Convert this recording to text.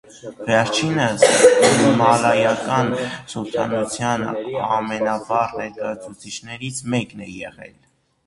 Վերջինս մալայական սուլթանության ամենավառ ներկայացուցիչներից մեկն է եղել։